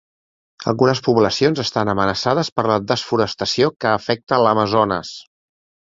Algunes poblacions estan amenaçades per la desforestació que afecta l'Amazones.